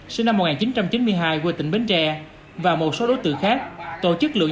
sinh năm một nghìn chín trăm chín mươi hai quê tỉnh bến tre và một số đối tượng khác tổ chức lượng